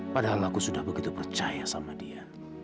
padahal aku sudah begitu percaya sama dia